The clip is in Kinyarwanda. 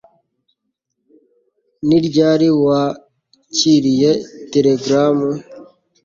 Ni ryari wakiriye telegaramu